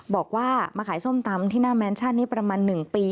บอกว่ามาขายส้มตำที่หน้าแมนชั่นนี้ประมาณ๑ปี